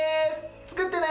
作ってね。